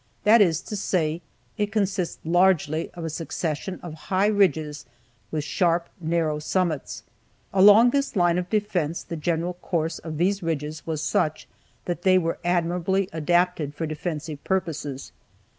That is to say, it consists largely of a succession of high ridges with sharp, narrow summits. Along this line of defense, the general course of these ridges was such that they were admirably adapted for defensive purposes.